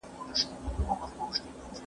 اورېدونکی او لوستونکی باید لومړی پوه سي